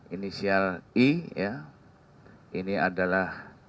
inisial i ini adalah